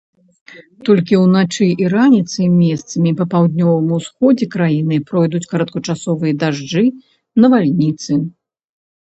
Толькі ўначы і раніцай месцамі па паўднёвым усходзе краіны пройдуць кароткачасовыя дажджы, навальніцы.